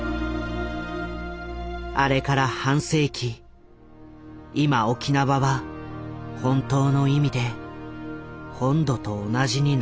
あれから半世紀今沖縄は本当の意味で本土と同じになったのだろうか。